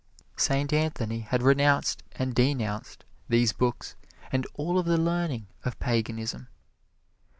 Saint Anthony had renounced and denounced these books and all of the learning of Paganism.